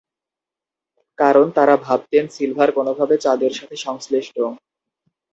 কারণ তারা ভাবতেন সিলভার কোনভাবে চাঁদের সাথে সংশ্লিষ্ট।